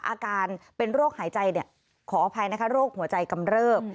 อาการเป็นโรคหายใจขออภัยนะคะโรคหัวใจกำเริบ